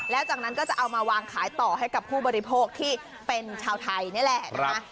แล้วจากนั้นก็จะเอามาวางขายต่อให้กับผู้บริโภคที่เป็นชาวไทยนี่แหละนะคะ